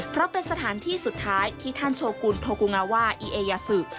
เพราะเป็นสถานที่สุดท้ายที่ท่านโชกุลโทกูงาว่าอีเอยาศึก